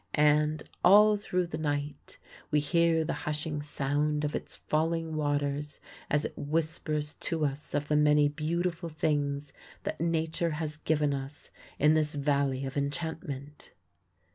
And, all through the night, we hear the hushing sound of its falling waters as it whispers to us of the many beautiful things that Nature has given us in this valley of enchantment.